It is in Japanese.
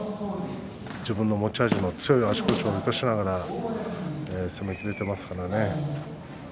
自分の持ち味の強い足腰を生かしながら取れてますからね。